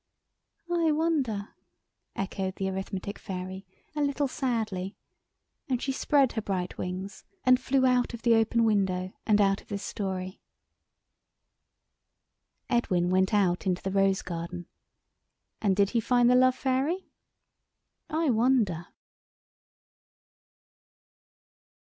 "I wonder!" echoed the Arithmetic Fairy, a little sadly, and she spread her bright wings and flew out of the open window and out of this story. Edwin went out into the rose garden. And did he find the Love Fairy? I wonder!